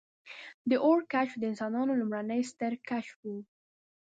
• د اور کشف د انسانانو لومړنی ستر کشف و.